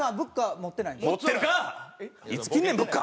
持ってるか！